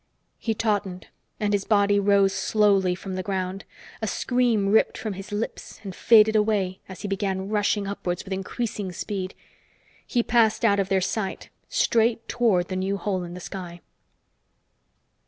He tautened and his body rose slowly from the ground. A scream ripped from his lips and faded away as he began rushing upwards with increasing speed. He passed but of their sight, straight toward the new hole in the sky.